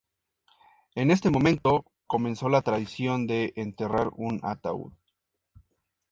En este momento comenzó la tradición de enterrar un ataúd.